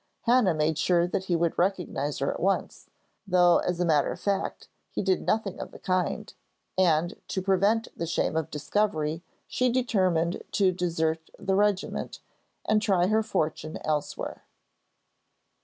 Hannah made sure that he would recognise her at once, though as a matter of fact he did nothing of the kind, and to prevent the shame of discovery, she determined to desert the regiment, and try her fortune elsewhere.